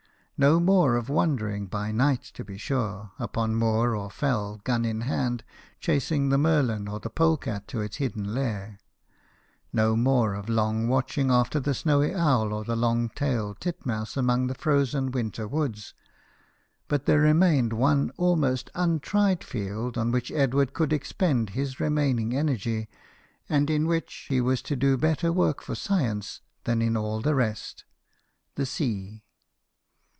No more of wandering by night, to THOMAS EDWARD, SHOEMAKER. 185 be sure, upon moor or fell, gun in hand, chasing the merlin or the polecat to its hidden lair ; no more of long watching after the snowy owl or the long tailed titmouse among the frozen winter woods ; but there remained one almost untried field on which Edward could expend his remaining energy, and in which he was to do better work for science than in all the rest the sea.